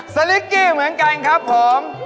สลิกกี้เหมือนกันครับผม